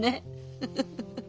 フフフフ。